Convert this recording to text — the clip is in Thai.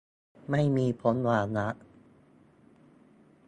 ไม่มีพ้นวาระ